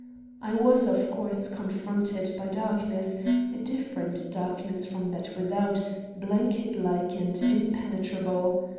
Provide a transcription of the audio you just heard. I was, of course, confronted by darkness, a different darkness from that without, blanket like and impenetrable.